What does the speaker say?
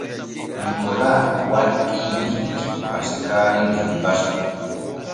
Nikola wattii bikki Pasiikaali der basu.